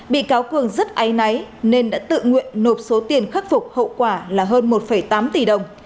bị cáo cường rất ái náy nên đã tự nguyện nộp số tiền khắc phục hậu quả là hơn một tám tỷ đồng